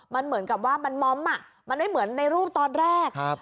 มันเหมือนกับว่ามันม้อมอ่ะมันไม่เหมือนในรูปตอนแรกครับ